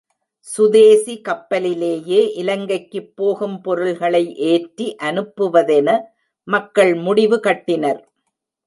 சுதேசி கப்பலிலேயே இலங்கைக்குப் போகும் பொருள்களை ஏற்றி அனுப்புவதென மக்கள் முடிவு கட்டினர்.